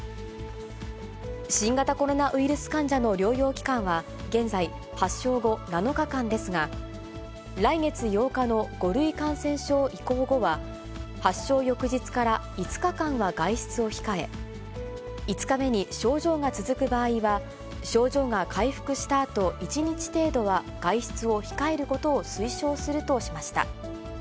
新型コロナウイルス患者の療養期間は、現在、発症後７日間ですが、来月８日の５類感染症移行後は、発症翌日から５日間は外出を控え、５日目に症状が続く場合は、症状が回復したあと、１日程度は外出を控えることを推奨するとしました。